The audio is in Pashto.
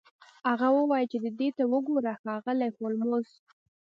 هغه وویل چې دې ته وګوره ښاغلی هولمز